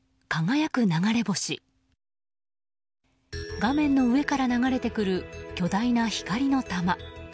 画面の上から流れてくる巨大な光の球。